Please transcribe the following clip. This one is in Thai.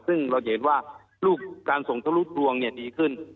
ซึ่งเราเห็นว่าลูกการส่งทะลุดรวงเนี่ยดีขึ้น